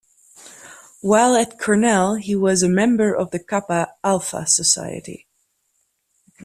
While at Cornell he was a member of The Kappa Alpha Society.